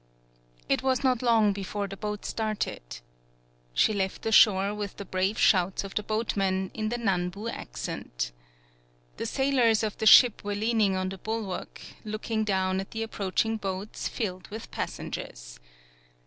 It was not long before the boat started. She left the shore with the brave shouts of the boatmen, in the Nanbu accent. The sailors of the ship were leaning on the bulwark, looking down at the approaching boats filled with passengers.